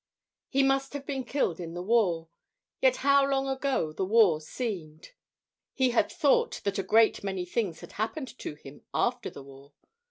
He must have been killed in the war. Yet, how long ago the war seemed! He had thought that a great many things had happened to him after the war.